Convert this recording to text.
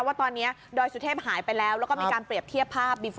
ว่าตอนนี้ดอยสุเทพหายไปแล้วแล้วก็มีการเปรียบเทียบภาพ